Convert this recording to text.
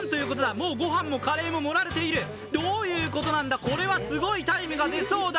もう御飯もカレーも盛られているどういうことなんだ、これはすごいタイムが出そうだ。